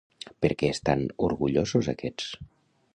Per què estan orgullosos aquests?